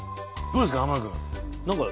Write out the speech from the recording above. どうですか？